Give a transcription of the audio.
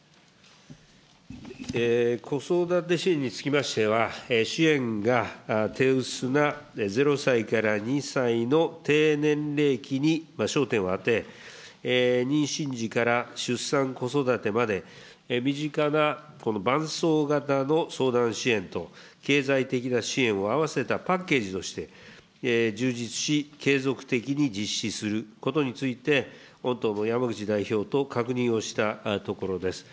子育て支援につきましては、支援が手薄な０歳から２歳の低年齢期に焦点を当て、妊娠時から出産、子育てまで身近な伴走型の相談支援と、経済的な支援を合わせたパッケージとして、充実し、継続的に実施することについて、御党の山口代表と確認をしたところです。